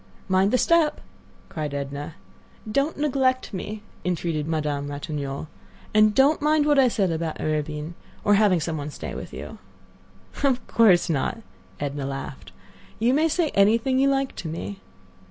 "Mind the step!" cried Edna. "Don't neglect me," entreated Madame Ratignolle; "and don't mind what I said about Arobin, or having some one to stay with you." "Of course not," Edna laughed. "You may say anything you like to me."